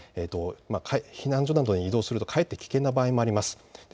避難所などに移動するとかえって危険な場合もあります。